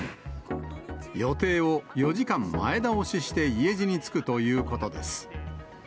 予定を４時間前倒しして家路につくということです。